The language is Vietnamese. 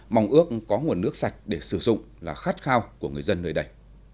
mong ước có nguồn nước sạch để sử dụng là khát khao của người dân nơi đây